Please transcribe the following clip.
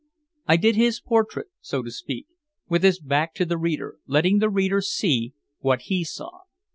I did his portrait, so to speak, with his back to the reader, letting the reader see what he saw.